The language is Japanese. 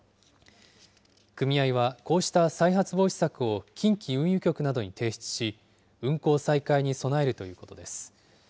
組合はこうした再発防止策を、近畿運輸局などに提出し、運航再開に備えるということです。